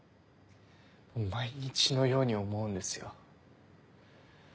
毎日のように思うんですよ。